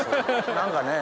何かねぇ。